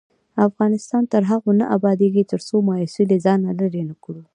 افغانستان تر هغو نه ابادیږي، ترڅو مایوسي له ځانه لیرې نکړو.